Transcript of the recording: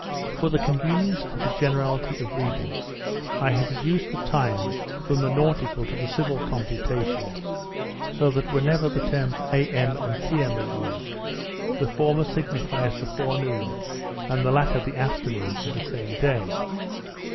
For the convenience of the generality of readers, I have reduced the time from the nautical to the civil computation, so that whenever the terms A.M. and P.M. are used, the former signifies the forenoon, and the latter the afternoon of the same day.